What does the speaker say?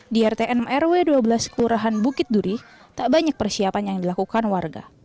di rtn rw dua belas kelurahan bukit duri tak banyak persiapan yang dilakukan warga